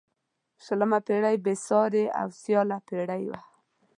شلمه پيړۍ بې سیارې او سیاله پيړۍ وه.